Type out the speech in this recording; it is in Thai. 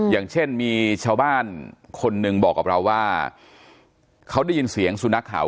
อย่างเช่นมีชาวบ้านคนหนึ่งบอกกับเราว่าเขาได้ยินเสียงสุนัขข่าว